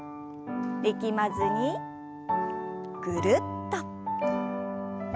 力まずにぐるっと。